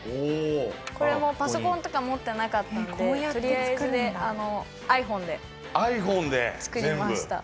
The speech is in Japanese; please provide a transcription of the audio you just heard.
これもパソコンとか持ってなかったんでとりあえずであのｉＰｈｏｎｅで作りました。